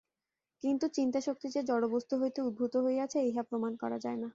কিন্তু চিন্তাশক্তি যে জড়বস্তু হইতে উদ্ভূত হইয়াছে, ইহা প্রমাণ করা যায় না।